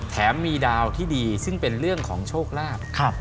แถมมีดาวที่ดีซึ่งเป็นเรื่องของโชคลาภ